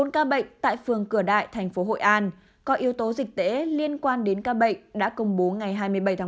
bốn ca bệnh tại phường cửa đại thành phố hội an có yếu tố dịch tễ liên quan đến ca bệnh đã công bố ngày hai mươi bảy tháng một